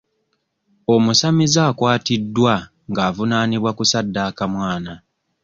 Omusamize akwatiddwa nga avunaanibwa kusaddaaka mwana.